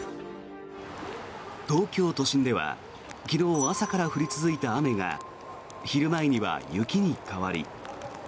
東京都心では昨日朝から降り続いた雨が昼前には雪に変わり。